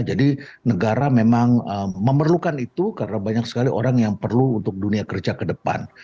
jadi negara memang memerlukan itu karena banyak sekali orang yang perlu untuk dunia kerja kedepan